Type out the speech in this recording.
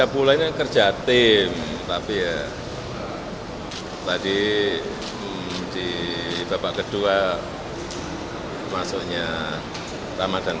permainan kita sudah masukkan